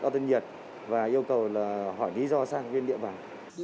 đo tên nhiệt và yêu cầu là hỏi lý do sang huyện địa bàn